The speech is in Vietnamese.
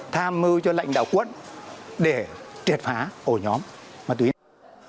tham mưu cho lãnh đạo quân để triệt phá ổ nhóm ma túy này